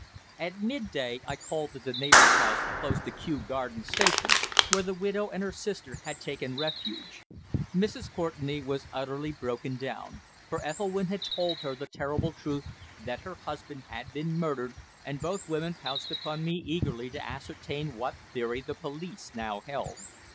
At mid day I called at the neighbour's house close to Kew Gardens Station, where the widow and her sister had taken refuge. Mrs. Courtenay was utterly broken down, for Ethelwynn had told her the terrible truth that her husband had been murdered, and both women pounced upon me eagerly to ascertain what theory the police now held.